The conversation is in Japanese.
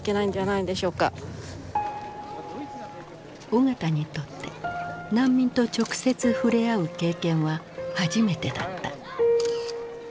緒方にとって難民と直接触れ合う経験は初めてだった。